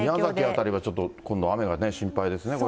辺りはちょっと、今度雨が心配ですね、これ。